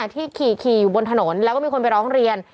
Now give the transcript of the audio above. ที่ขี่อยู่บนถนนแล้วก็มีคนไปร้องเรียน